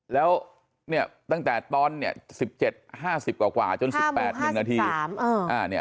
แล้วเนี่ยตั้งแต่ตอนเนี่ย๑๗๕๐กว่าจน๑๘๑นาที